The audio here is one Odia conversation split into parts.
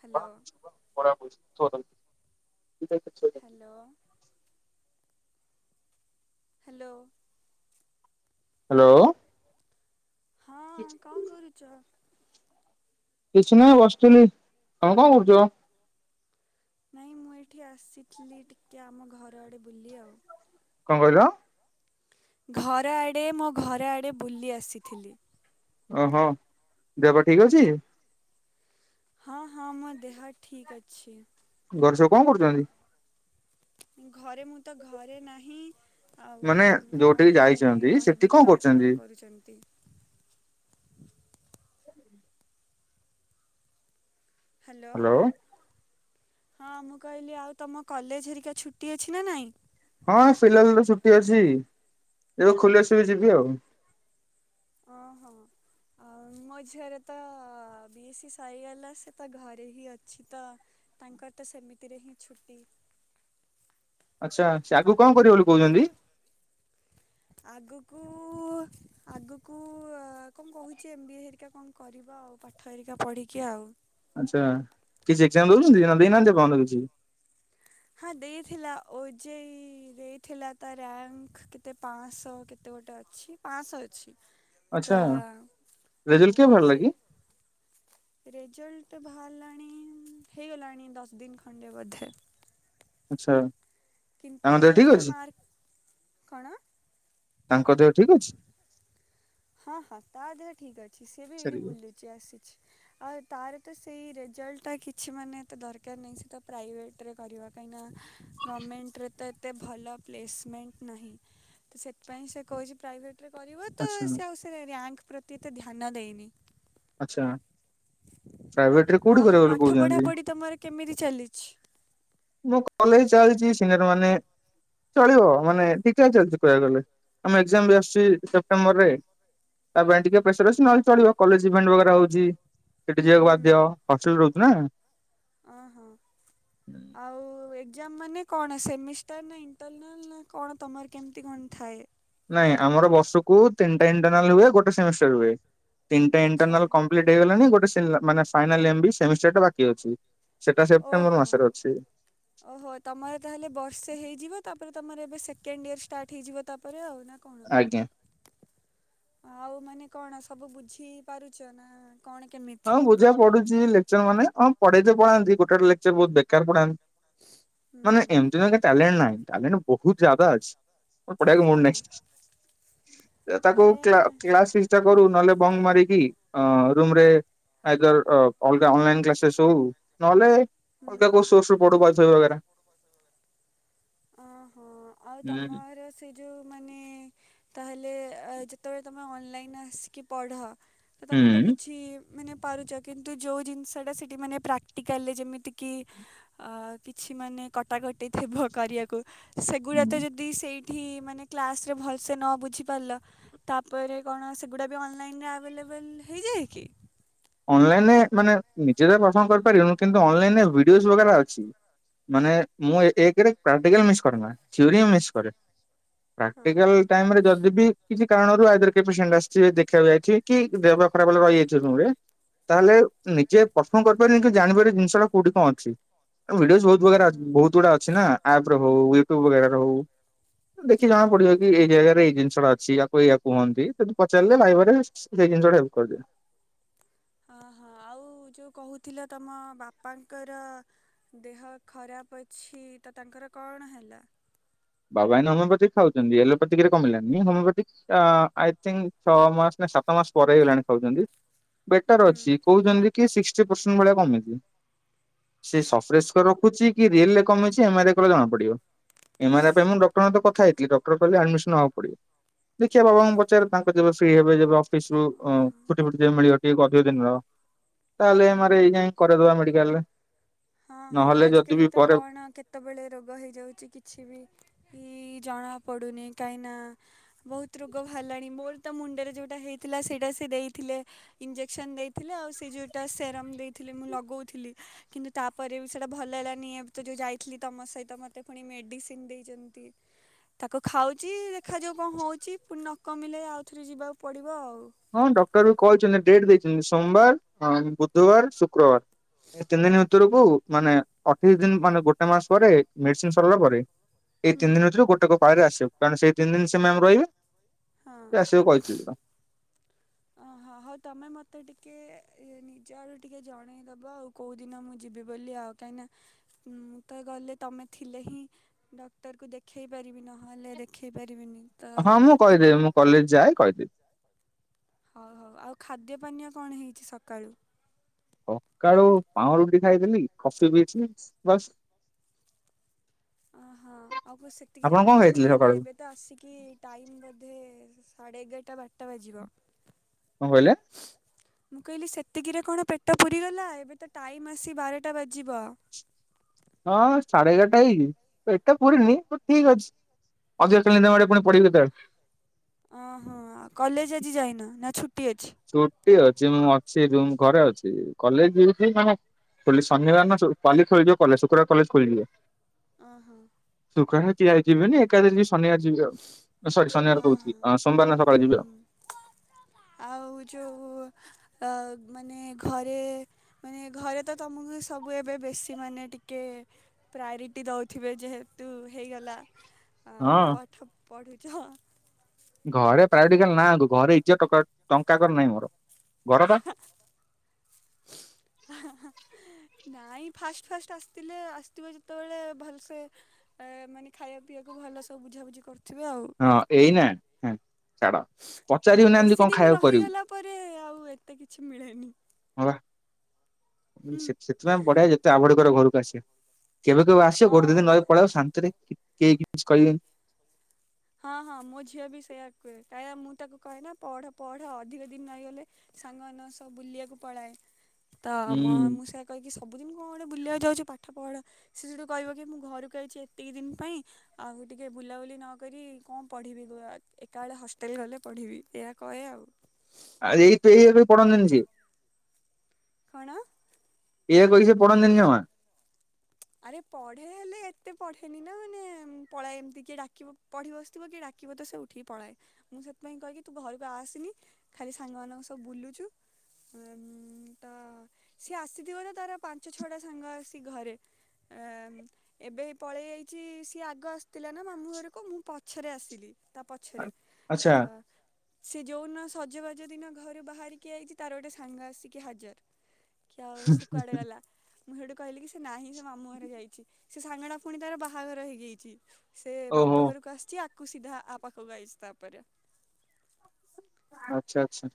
ହ୍ୟାଲୋ [inaudible] ହ୍ୟାଲୋ ହ୍ୟାଲୋ ହ୍ୟାଲୋ ହଁ କି୍ [inaudible] କଣ କରୁଛ? କିଛି ନାହିଁ ବସିଥିଲି, ତଣେ କଣ କରୁଛ? ନାଇଁ ମୁଁ ଏଠି ଆସିଥିଲି ଟିକେ ଆମ ଘର ଆଡ଼େ ବୁଲି ଆଉ। କଣ କହିଲ? ଘର ଆଡ଼େ ମୋ ଘର ଆଡ଼େ ବୁଲି ଆସିଥିଲି। ଓହଁ ଦେହ ପା ଠିକ ଅଛି ହଁ ହଁ ମୋର ଦେହ ଠିକ ଅଛି। ଘରେଛ କଣ କରୁଛନ୍ତି? ଘରେ ମୁଁ ତ ଘରେ ନାହିଁ। ଆଉ ମାନେ ଯୋଉଠିକି କଣ ହିଁ ମାନେ ଯାଇଛନ୍ତି ସେଠି କହିବି ଘରେ କରୁଛନ୍ତି କଣ କରୁଛନ୍ତି। ହ୍ୟାଲୋ ହଁ ମୁଁ କହିଲି ଆଉ ତମ କଲେଜ ହେରିକା ଛୁଟି ଅଛି ନା ନାଇଁ? ହଁ ଫିଲାଲ ତ ଛୁଟି ଅଛି ଯେବେ ଖୋଲି ଆସିବି ଯିବି ଆଉ। ହଁ ହଁ ଆଉ ମୋ ଝିଅର ତ ବିଏ ସି ସରିଗଲା ସେ ତ ଘରେ ହିଁ ଅଛି ତ। ତାଙ୍କର ତ ସେମିତିରେ ହିଁ ଛୁଟି। ଆଚ୍ଛା ସେ ଆଗକୁ କଣ କରିବେ ବୋଲି କହୁଛନ୍ତି? ଆଗକୁ ଆଗକୁ କଣ କହୁଛି ଏମ୍ ବି ଏ ହେରିକା କଣ କରିବ ଆଉ ପାଠ ହେରିକା ପଢ଼ିକି ଆଉ। ଆଚ୍ଛା କିଛି ଏଗଜାମ ଦଉଛନ୍ତି ଦେଇନାହାନ୍ତି ଏପନ୍ତ କିଛି? ହଁ ଦେଇଥିଲା ଓଜେଇ ଦେଇଥିଲା ତା ରାଙ୍କ କେତେ ପାଞ୍ଚଶହ କେତେ ଗୋଟେ ଅଛି। ପାଆଶହ ଅଛି। ତ ଆଛା ରେଜଲ କେ ଭାଲା ସେ କି? ରେଜଲ୍ଟ ବାହାରିଲାଣି ହେଇଗଲାଣି ଦଶ ଦିନ ଖଣ୍ଡେ ବୋଧେ। ଆଛା। କିନ୍ତୁ ସେ ମାର୍କ କଣ। ତାଙ୍କ ଦେହ ଠିକ ଅଛି? ହଁ ହଁ ତା ଦେହ ଠିକ ଅଛି ସି ବି ଏଇଠି ବୁଲୁଛି ଆସିଛି। ଆଉ ତାର ତ ସେଇ ରେଜଲ୍ଟ ଟା କିଛି ମାନେ ତ ଦରକାର ନାହିଁ ସେ ତ ପ୍ରାଇଭେଟ ରେ କରିବ କାହିଁକିନା ଗମେଣ୍ଟରେ ତ ଏତେ ଭଲ ପ୍ଲେସମେଣ୍ଟ ନାହିଁ। ତ ସେଥିପାଇଁ ସେ କହୁଛି ପ୍ରାଇଭେଟରେ କରିବ ତ ଆଚ୍ଛା ସେ ଆଉ ସେ ରାଙ୍କ ପ୍ରତି ଏତେ ଧ୍ୟାନ ଦେଇନି। ଆଚ୍ଛା। ପ୍ରାଇଭେଟ ରେ କୋଉଠି ଆଉ କରିବ ବୋଲି ପାଠ କହୁଛନ୍ତି? ପଢ଼ାପଢ଼ି ତମର କେମିତି ଚାଲିଛି? ମୁଁ କଲେଜ ଯାଇଚି ସିନର ମାନେ ଚଳିବ ମାନେ ଠିକ ଠାକ୍ ଚାଲିଛି କହିବାକୁ ଗଲେ ଆମେ ଏକ୍ଜାମ ବି ଆସୁଛି ସେପ୍ଟେମ୍ବରରେ ତା ପାଇଁ ଟିକେ ପ୍ରେସର ଅଛି ନହେଲେଚଳିବ କଲେଜ ଇଭେଣ୍ଟ ବଗେରା ହଉଛି ସେଠି ଯିବାକୁ ହୁଁ ବାଧ୍ୟ ହଷ୍ଟେଲ ରହୁଚୁ ନା। ଅ ହ [inaudible] ଆଉ ଏକ୍ଜାମ ମାନେ କଣ ସେମିଷ୍ଟର ନା ଇଣ୍ଟରନାଲ୍ ନା କଣ ତମର କେମିତି କଣ ଥାଏ? ନାଇଁ ଆମର ବର୍ଷ କୁ ତିନିଟା ଇଣ୍ଟରନାଲ ହୁଏ ଗୋଟେ ସେମିଷ୍ଟର ହୁଏ ତିନିଟା ଆଚ୍ଛା ଇଣ୍ଟରନାଲ କ ପ୍ଲିଟ ହେଇଗଲାଣି ଗୋଟେ ମାନେ ଫାଇନାଲ ଏମ ବି ସେମିଷ୍ଟର ଟା ବାକି ଅଛି। ସେଟା ସେପ୍ଟେମ୍ବର ଓହୋ ମାସରେ ଅଛି। ଓହୋ ତମର ତାହେଲେ ବର୍ଷେ ହେଇଯିବ ତାପରେ ତମର ଏବେ ସେକେଣ୍ଡ ଇୟର ଷ୍ଟାର୍ଟ ହେଇଯିବ ତାପରେ ଆଉ ନା। କଣ ଆଜ୍ଞା। ଆଉ ମାନେ କଣ ସବୁ ବୁଝି ପାରୁଛ ନା। କଣ କେମିତି? ପା ପଢୁଛି ଲେକ୍ଚର ମାନେଁ ପଢେଇ ପଢାନ୍ତି ଗୋଟେ ଗୋେ ଲେଚର ବହୁତ ବେକାର ପଢାନ୍ତି ମାନେ ହୁଁ ଏମତି ନ ଟ୍ୟାଲଣ୍ଟ ନାଇ ଟ୍ୟାଲେଣ୍ଟ ବହୁତ ଜଦା ଅଛି। ପଢିବାକୁ ମୁଡ୍ ହଁ ନାହିଁ, ଯ ତାକୁ ଆରେ କ୍ଲା କ୍ଲାସ ଚୋ କରୁ ନହେଲେ ବଙ୍ଗ ମାରିକି ରୁମରେ ଆଇଦର୍ ର ଅଲଗା ଅନଲାଇନ କ୍ଲାସେସ ହଉ ନହେଲେ ଅଲଗା ହୁଁ। କୋଉସୋର ପଢ ସେ ବଗେରା। ଅ ହୋ ଆଉ ହୁଁ ତମର ସେଇ ଯୋଉ ମାନେ ତାହେଲେ ଯେତେବେଳେ ତମେ ଅନଲାଇନ ଆସିକି ପଢ ତ ତମେ ତ ହୁଁ। ବୁଝି ମାନେ ପାରୁଛ କିନ୍ତୁ ଯୋଉ ଜିନିଷଟା ସେଇଠି ମାନେ ପ୍ରାକ୍ଟିକାଲରେ ଯେମିତିକି ଅ କିଛି ମାନେ କଟାକଟି ଥିବ କରିବାକୁ ସେଗୁଡା ତ ହୁଁ। ଯ ଦି ସେଇଠି ମାନେ କ୍ଲାସ ରେ ଭଲସେ ନ ବୁଝିପାରିଲ ତାପରେ କଣ ସେଗୁଡ଼ା ବି ଅନଲାଇନରେ ଆଭେଲେବଲ୍ ହେଇଯାଏ କି। ଅନଲାଇନ ମାନେ ନିଜେ ତ ପସନ୍ଦ କରିପାରନୁ କିନ୍ତୁ ଅନଲାଇନ ଭିଡିଓ ସୁବିଧାଟା ଅଛି। ମାନେ ମୁଁ ଏକ ପ୍ରାକ୍ଟିକାଲ ମିସ୍ କରେନା ଥିୟରିମ୍ ମିସ୍ କରେ। ହଁ। ପ୍ରାକ୍ଟିକାଲ ଟାଇମରେ ଯଦି ବି କିଛି କାରଣରୁ ଆଇଦର କିଏ ପେସେଣ୍ଟ ଆସିଥିବେ ଦେଖିବାକୁ ଯାଇଥିବେ କି ଦେହ ପା ଖରାପ ହେଲେ ରହିଯାଇଥିବ ରୁମ୍ ରେ। ତାହେଲେ ନିଜେ ପରର୍ଫର୍ମ କରିପାରବ କି ଜାଣିବାରି ଜିନିଷ ଟା କୋଉଠି କଣ ଅଛି। ଆ ଭିଡିଓସ ବହୁତ ହୁଁ ପ୍ରକାର ଆସ ବହୁତ ଗୁଡା ଅଛି ନା ଆପ ର ହଉ ୟୁୁଟୁବ ବଗେରାର ହଉ ଦେଖି ଜାଣା ପଡିବ ହୁଁ। କି ଏଇ ଜାଗାରେ ଏଇ ଜିନିଷ ଟା ଅଛି ଆ କୋୟା କୁହନ୍ତିି ପଚାରିଲେ ଲାଇଭାରେ ସେ ଜିନିଷା ହେଲ୍ପ କରିଦିଏ। ଅ ହଁ ଆଉ ଯୋଉ କହୁଥିଲ ତମ ବାପାଙ୍କର ଦେହ ଖରାପ ଅଛି ତ ତାଙ୍କର କଣ ହେଲା। ବାବା ଏଇନା ହୋମିଓପାଥି ଖାଉଛନ୍ତି ଏଲୋପାଥିକ ରେ କମିଲାନି ହୋମଓପାଥି ଏ ଥିଙ୍କ ଛଅ ମାସ ନା ସାତ ମାସ ପରେ ହେଇଗଲାଣି ଖାଉଛନ୍ତି। ବେଟର ଅଛି ହୁଁ କହୁଚନ୍ତି କି ସିକ୍ସଟି ପରସେଣ୍ଟ ଭଳିଆ କମିଚି। ସେ ସଫରେସ୍ ରଖୁଛି କି ରିଏଲ ରେ କମିଛି ଏମ ଆର ଆଇ କଲେ ଜଣା ପଡିବ। ଏମ ଆର ଆଇ ପାଇଁ ମୁଁ ଡଟରଙ୍କ ସହ କଥା ହେଇଥିଲି ଡକ୍ଟର କହିଲେ ଆଡମିସନ ହବାକୁ ପଡିବ। ଦେଖିବା ବାବାଙ୍କୁ ପଚାରେ ତାଙ୍କ ଯେବେ ଫ୍ରୀ ହେବେ ଯେବେ ଅଫିସରୁ ଉ ଫୁଟି ମିଳିବ ଟିକେ ଅଧିକ ଦିନର ତାହେଲେ ହୁଁ ଏମ ଆର ଆଇ ଯାଇ କରେଇଦବା ମେଡିକାଲରେ। ହଁ ହଁ ନହେଲେ ଯଦି ବି ଆଜିକାଲି ତ ପରେ କଣ କେ ତେବେଳେ ରୋଗ ହେଇଯାଉଛି କିଛି ବି ଇ କାହିଁନା ବହୁତ ରୋଗ ବାହାରିଲାଣି ମୋର ତ ମୁଣ୍ଡରେ ଯୋଉଟା ହେଇଥିଲା ସେଇଟା ସେ ଦେଇଥିଲେ ଇଞ୍ଜେସନ ଦେଇଥିଲେ ଆଉ ସେ ଯଉଟା ସେରମ ଦେଇଥିଲେ ମୁଁ ଲଗଉଥିଲି କିନ୍ତୁ ତାପରେ ବି ସେଇଟା ଭଲ ହେଲାନି ଏବେ ତ ଯେଉଁ ଯାଇଥିଲି ତମ ସହିତ ମୋତେ ପୁଣି ମେଡ଼ିସିନ ଦେଇଛନ୍ତି। ତାକୁ ଖାଉଛି ଦେଖାଯାଉ ହଉଚି ପୁଣି ନ କମିଲେ ଆଉଥରେ ଯିବାକୁ ପଡ଼ିବ ଆଉ। ହଁ ଡକ୍ଟର ବି କହିଛନ୍ତି ଡେଟ୍ ଦେଇଛନ୍ତି ସୋମବାର ହଁ ବୁଧବାର ଶୁକ୍ରବାର। ତିନି ଦିନ ଭିତରକୁ ମାନେ ଅଠେଇଶ ଦିନ ମାନେ ଗୋଟେ ମାସ ପରେ ମେଡିସିନ ସରିଲା ପରେ ଏଇତିନ ହୁଁ ଦିନ ଭିତରୁ ଗୋଟ କ ପାଖରେ ଆସିବ କଣ ସେଇତିନି ଦିନ ସେ ମମ୍ ରହିବେ। ହଁ ସେ ଆସିବା କହିଥିଲା। ଅହୋ ହଉ ତମେ ମତେ ଟିକେ ଏ ନିଜ ଆଡୁ ଟିକେ ଜଣେଇଦବ ଆଉ। କୋଉ ଦିନ ମୁଁ ଯିବି ବୋଲି ଆଉ କାହିଁକି ନା ମୁଁ ତ ଗଲେ ତମେ ଥିଲେ ହିଁ ଡକ୍ଟରକୁ ଦେଖାଇ ପାରିବି ନହେଲେ ଦେଖାଇ ପାରିବିନି। ତ ହଁ ମୁଁ ଟିକ କହିଦେବି ମୁଁ କଲେଜ ଯାଏ କହିଦେବି। ହଉ ହଉ ଆଉ ଖାଦ୍ୟ ପାନୀୟ କଣ ହେଇଛି ସକାଳୁ। ସକାଳୁ ପାଁ ରୁଟି ଖାଇଥିଲି କଫି ପିଇଥିଲି ବାସ୍। ଅହୋ ଆଉ କ ସେତିକିରେ ଆପଣ କଣ ପେଟ ଖାଇଥିଲେ ପୁରିଗଲା ସକାଳୁ ଏବେ। ତେ ଆସିକି ଟାଇମ୍ ବୋଧେ ସାଢ଼େ ଏଗାରଟା ବାରଟା ବାଜିବ କଁ କହିଲେ। ମୁଁ କହିଲି ସେତିକିରେ କଣ ପେଟ ପୁରିଗଲା ଏବେ ତ ଟାଇମ୍ ଆସି ବାରଟା ବାଜିବ। ହଁ ସାଢେ ଏଗାରଟା ହେଇଛିି ପେଟ ପୁରିନି ବଟ୍ ଠିକ ଅଛି। [unintelligible] ଓହୋ ଆ କଲେଜ ଆଜି ଯାଇନ ନା ଛୁଟି ଅଛି। ଛୁଟି ଅଛି ମୁଁ ଅଛି ରୁମ ଘରେ ଅଛି କଲେଜ ଯିବି ଯେ ମାନେ ଖୋଲି ଶନିବାର ନ ସ ଖୋଲିଯିବ କଲେ ଶୁକ୍ରବାର କଲେଜ ଖୋଲିଯିବ। ଓହୋ। ଶୁକ୍ରବାର କେଆଯିବନି ଏକା ଯଦି ସି ଶନିବାର ଯିବି ଆଉ ସରି ଶନିବାର ଓହୋ। କହୁଥିଲି ସୋମବାର ନ ହୁଁ ସକାଳେ ଯିବି ହୁଁ ଆଉ। ଆଉ ଯୋଉ ଅ ମାନେ ଘରେ ମାନେ ଘରେ ତ ତମକୁ ସବୁ ଏବେ ବେଶୀ ମାନେ ଟିକେ ପ୍ରାୟୋରିଟି ଦେଉଥିବେ ଯେହେତୁ ହେଇଗଲା ଆଉ ହଁ ପାଠ ପଢ଼ୁଛ ଘରେ ପ୍ରାୟୋରିଟି ଖାଲି ନାକୁ ଘରେ ଇଜତ ଟଙ୍କା କର ନାହିଁ ମୋର ଘର ପା [unintelligible] ନାଇଁ ଫାଷ୍ଟ ଫାଷ୍ଟ ଆସଥିଲେ ଆସିଥିବ ଯେତେବେଳେ ଭଲସେ ଏ ମାନେ ଖାଇବା ପିଇବାକୁ ଭଲ ସବୁ ବୁଝାବୁଝି କରୁଥିବେ ଆଉ। ହଁ ଏଇନା। ଛାଡ ହଁ ପଚାରିବୁ ନା ଏମିତି ବେଶୀ କଣ ଦିନ ଖାଇବାକୁ କରିବୁ ରହିଗଲା ପରେ ଆଉ ଏତେ କିଛି ମିଳେନି। ହଁ ବା ମୁଁ ସେ ସେଥିପାଇଁ ବଢିଆ ଯେତେ ଆଭଏଡ଼ କରିବ ଘରକୁ ଆସିବା। କେବେ କେବେ ଆସିବ ହଁ। ଗୋଟେ ଦି ଦିନହେ ପଳେଇବ ଶାନ୍ତିରେ କେହି କିଛି କହିବେନି। ହଁ ହଁ ମୋ ଝିଅ ବି ସେଇୟା କୁଏ କାହିଁକ ମୁଁ ତାକୁ କହେ ନା ପଢ ପଢ ଅଧିକ ଦିନ ରହିଗଲେ ସାଙ୍ଗମାନଙ୍କ ସ ବୁଲିବାକୁ ପଳାଏ ତ ମ ହୁଁ ମୁ ସେ କହିକି ସବୁଦିନ କଣ ଗୋଟେ ବୁଲିବାକୁ ଯାଉଚୁ ପାଠ ପଢ଼ ସିଏ ସେଠୁ କହିବ କି ମୁଁ ଘରକୁ ଆଇଚି ଏତିକି ଦିନ ପାଇଁ ଆଉ ଟିକେ ବୁଲାବୁଲି ନ କରି କଣ ପଢ଼ିବି ଗୋ ଆ ଏକା ବଳେ ହଷ୍ଟେଲ ଗଲେ ପଢ଼ିବି ଏଆ କହେ ଆଉ। ଆ ଏଇ ପେଇ ଏବେ ପଢ଼ାଯାଣିଚି। କଣ? ଏଇଆ କହି ସେ ପଢନ୍ତିନି ଜମା। ଆରେ ପଢେ ହେଲେ ଏତେ ପଢେନି ନା ମାନେ ପଳାଏ ଏମତି କିଏ ଡାକିବ। ପଢ଼ି ବସିଥିବ କିଏ ଡାକିବ ତ ସେ ଉଠିକି ପଳାଏ ମୁଁ ସେଥିପାଇଁ କହିକି ତୁ ଘରକୁ ଆସେନି। ଖାଲି ସାଙ୍ଗମାନଙ୍କ ସବୁ ବୁଲୁଚୁ। ନ୍ତ ସିଏ ଆସିଥିବ ଯେ ତାର ପାଞ୍ଚ ଛଅଟା ସାଙ୍ଗ ଆସି ଘରେ। ଏଁ ଏବେ ପଳେଇଆଇଚି ସିଏ ଆଗ ଆସିଥିଲା ନା ମାମୁଁ ଘରକୁ ମୁଁ ପଛରେ ଆସିଲି। ତା ପଛରେ ଆଚ୍ଛା। ତ ସେ ଯୋଉନ ସଜବାଜ ଦିନ ଘରେ ବାହାରିକି ଆଇଛି ତାର ଗୋଟେ ସାଙ୍ଗ ଆସିକି ହାଜର। କ୍ଷାଓସି କୁଆଡେ ଗଲା ମୁଁ ହେଇଠୁ କହିଲି କି ସେ ନାହିଁ ତ। ମାମୁଁ ଘରେ ଯାଇଚି ସେ ସାଙ୍ଗଟା ଫୁଣି ତାର ବାହାଘର ହେଇଯାଇଚି ସେ ଓହୋ ବାପ ଘରକୁ ଆସଚି କୁ ସିିଧା ଆ ପାଖକୁ ଆଇସ ତାପରେ। ଆଛା ଆଛା।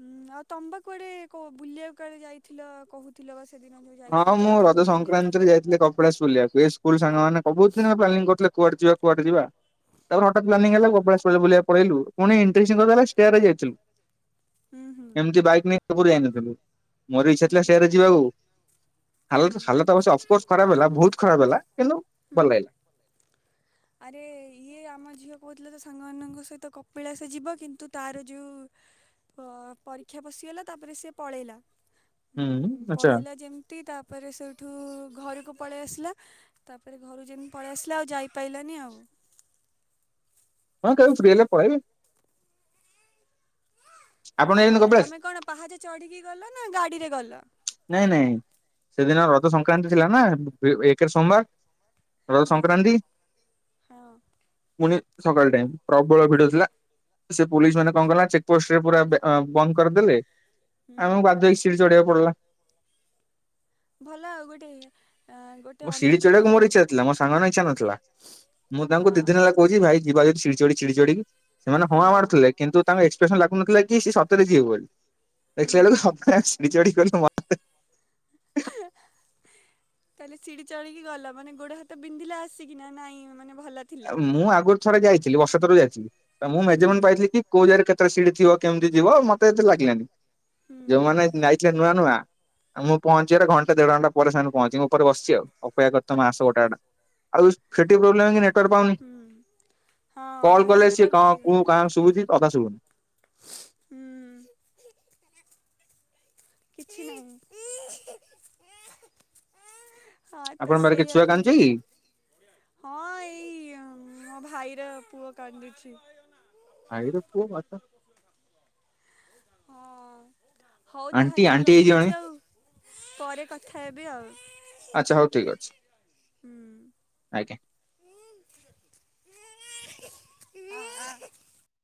ହୁଁ ଆଉ ତମେ ବା କୁଆଡେ କୋ ବୁଲିବାକୁ କାଳେ ଯାଇଥିଲ କହୁଥିଲ ବା ସେଦିନ ଯେ ହଁ ମୁଁ ରଜ ସଂକ୍ରାନ୍ତିରେ ଯାଇଥିଲି କପିଳାସ ବୁଲିବାକୁ ଏ ସ୍କୁଲ ସାଙ୍ଗମାନେ ବହୁତ ଦିନ ପ୍ଲାନିଂ କରୁଥିଲେ କୁଆଡେ ଯିବା କୁଆଡ଼େ ଯିବା ତାପରେ ହଠାତ୍ ପ୍ଲାନିଙ୍ଗି ହେଲା କପିଳାସ ବୁଲିବା ପଳେଇଲୁ ପୁଣି [unintelligible] ହୁଁ ହୁଁ ଏମତି ବାଇକ ନେଇ। ଅନ୍ତପୁର ଯାଇନଥିଲୁ ମୋର ଇଛା ଥିଲା ସେଆରେ ଯିବାକୁ। ହୁଁ ହାଲତସ ହାଲତ ଅବଶ୍ୟ ଅଫକୋର୍ସ ଖରାପ ହେଲା ବହୁତ ଖରାପ ହେଲା କିନ୍ତୁ ଭଲ ହୁଁ ଲାଗିଲା। ଆରେ ଇଏ ଆମ ଝିଅ କହୁଥିଲା ତା ସାଙ୍ଗମାନଙ୍କ ସହିତ କପିଳାସ ଯିବ କିନ୍ତୁ ତାର ଯେଉ ପ ପରୀକ୍ଷା ପଶିଗଲା ତାପରେ ସେ ପଳେଇଲା ହୁଁ ଉଁ ଆଚ୍ଛା ପଳେଇଲା ଯେ ତି ତାପରେ ସେଠୁ ଘରକୁ ପଳେଇ ଆସିଲା ତାପରେ ଘରୁ ଯେମିତି ପଳେଇ ଆସିଲା ଆଉ ଯାଇ ପାଇଲାନି ଆଉ। ହଁ କେବେ ଫ୍ରୀ ହେଲେ ପଳେଇବ। ଆପଣ ଯାଇଛନ୍ତି ହଁ କପିଳାସ ତମେ କଣ ପାହାଚ ଚଢିକି ଗଲ ନା ଗାଡିରେ ଗଲ? ନାଇଁ ନାଇଁ ସେଦିନ ରଜ ସଂକ୍ରାନ୍ତି ଥିଲା ନା ବେ ବେ ଏକରେ ସୋମବାର ରଜ ହଁ ସଂକ୍ରାନ୍ତି ହଁ ପୁଣି ସକାଳ ଟାଇମ ପ୍ରବଳ ଭିଡ ଥିଲା। ସେ ପୋଲିସ ମାନେ କଣ କଲା ଚେକ୍ ପୋଷ୍ଟରେ ପୁରା ବେ ଆ ବନ୍ଦ କରିଦେଲେ। ହୁଁ ଆମକୁ ବାଧ୍ୟ ହେଇକି ସିଡ଼ି ଚଢ଼ିବାକୁ ପଡଲା। ଭଲ ଆଉ ଗୋଟେ ଏ ମୋ ସିଢି ଚଢ଼ିବାକୁ ମୋର ଇଛା ଥିଲା ମୋ ସାଙ୍ଗମାନଙ୍କ ଇଛା ନଥିଲା ମୁଁ ତାଙ୍କୁ ହଁ ଦି ଦିନ ହେଲା କହୁଛି ଭାଇ ଯିବା ଯଦି ସିଡି ଚଢି ସିଡି ଚଢି ସେମାନେ ହଁ ହଁଆ ମାରୁଥିଲେ କିନ୍ତୁ ତାଙ୍କ ଏକ୍ସପ୍ରେସନ ଲାଗୁନଥିଲା କି ସେ ସତରେ ଯିବେ ବୋଲି [unintelligible] ହୁଁ ତାହେଲେ ସିଢି ଚଢ଼ିକି ଗଲ ମାନେ ଗୋଡ ହାତ ବିନ୍ଧିଲା ଆସିକି ନା ନାଇଁ ମାନେ ଭଲ ଥିଲା ମୁଁ ଆଗରୁ ଥରେ ଯାଇଥିଲି ବର୍ଷେ ଥରୁ ଯାଇଥିଲି ତ ମୁଁ ହୁଁ ମେଜରମେଣ୍ଟ ପାଇଥିଲି କି କୋଉ ଜାଗାରେ କେତେଟା ସିଟ ଥିବ କେମିତି ଥିବ ମତେ ଏତେ ଲାଗିଲାନି। ହୁଁ ଯଉମାନେ ଯାଇଥିଲେ ନୂଆ ନୂଆ ମୁଁ ପହଞ୍ଚିବାର ଘଣ୍ଟା, ଦେଢ ଘଣ୍ଟା ପରେ ସେମାନେ ପହଞ୍ଚି ମୁଁ ଉପରେ ବସିଚି ଆଉ ଅପେକ୍ଷା କରିଥା ମୁ ଆସ ଗୋଟା ଗୋଟା ଆଉ ସେଠି ପ୍ରୋବ୍ଲେମ୍ ନେଟୱାର୍କ ପାଉନି ହୁଁ ହଁ କଲ ସେ କଲେ ସିଏ ନେଟୱାର୍କ କଣ କୁ ପାଇବନି କା ଶୁଭୁଛି ଅଧା ଶୁଭୁନି। ହୁଁ, କିଛି ନାହିଁ। ହଁ, ତ ଆପଣଙ୍କ ପାଖରେ କିଏ ସେଇଆ ଛୁଆ ହିଁ କାନ୍ଦୁଛି କି? ହଁ, ଏଇ ମୋ ଭାଇର ପୁଅ କାନ୍ଦୁଛି। ଭାଇର ପୁଅ ହଁ, ହଉ ଆଣ୍ଟି ତାହେଲେ ମୁଁ ଆଣ୍ଟି ହେଇଯିବଣି ରଖୁଛି ଆଉ ପରେ କଥା ହେବି ଆଉ। ଆଚ୍ଛା! ହଉ ଠିକ୍ ଅଛି। ହୁଁ। ଆଜ୍ଞା!